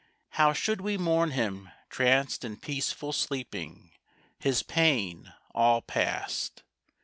How should we mourn him tranced in peaceful sleeping, His pain all past!